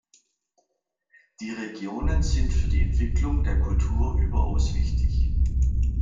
Die Regionen sind für die Entwicklung der Kultur überaus wichtig.